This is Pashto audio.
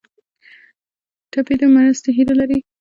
ټپي د مرستې هیله لري.